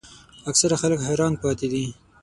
اکثره خلک حیران پاتې دي.